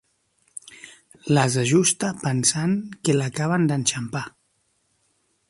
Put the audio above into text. Les ajusta pensant que l'acaben d'enxampar.